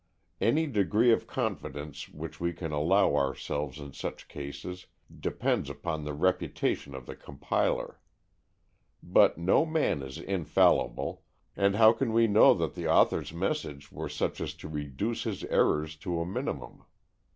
Any degree of confidence which we can allow ourselves in such cases depends upon the reputation of the compiler. But no man is infallible, and how can we know that the author's methods were such as to reduce his errors to a minimum?